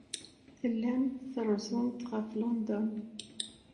Tellamt trezzumt ɣef London.